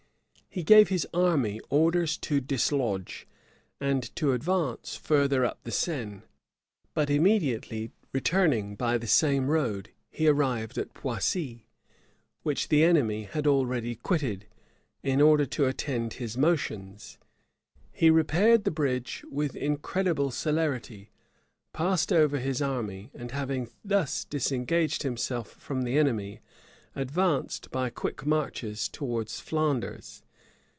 He gave his army orders to dislodge, and to advance farther up the Seine; but immediately returning by the same road, he arrived at Poissy, which the enemy had already quitted, in order to attend his motions. He repaired the bridge with incredible celerity, passed over his army, and having thus disengaged himself from the enemy, advanced by quick marches towards Flanders.